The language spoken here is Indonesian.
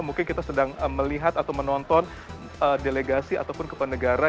mungkin kita sedang melihat atau menonton delegasi ataupun kepenegara